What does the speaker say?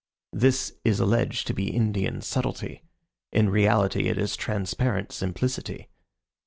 This is alleged to be Indian subtlety. In reality it is transparent simplicity.